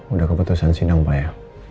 udah keputusan sidang pak ya